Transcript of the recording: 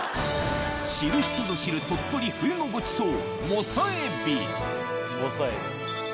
知る人ぞ知る鳥取冬のごちそう